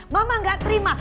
mama gak terima